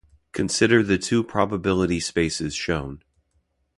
Consider the two probability spaces shown.